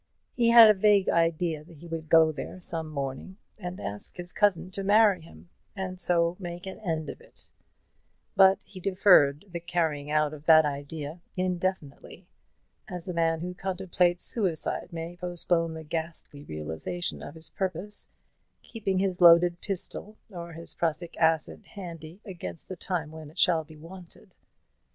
He had a vague idea that he would go there some morning, and ask his cousin to marry him, and so make an end of it; but he deferred the carrying out of that idea indefinitely, as a man who contemplates suicide may postpone the ghastly realization of his purpose, keeping his loaded pistol or his prussic acid handy against the time when it shall be wanted.